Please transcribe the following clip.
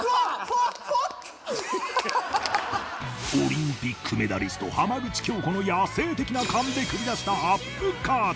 オリンピックメダリスト浜口京子の野性的な勘で繰り出したＵＰカード